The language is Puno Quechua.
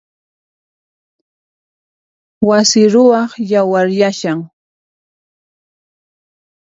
Wasi ruwaq yawaryashan.